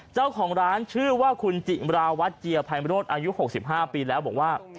เจ้าของร้านชื่อว่าคุณจิลาวัตเจียภัยมรถอายุหกสิบห้าปีแล้วบอกว่า